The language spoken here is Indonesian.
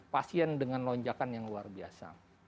pasien dengan lonjakan yang luar biasa